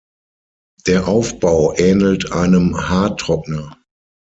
Der Aufbau ähnelt einem Haartrockner.